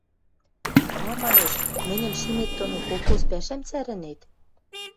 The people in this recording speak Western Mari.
– Ма, – манеш, – мӹньӹм шимет доно колхоз пӓшӓм цӓрӹнет?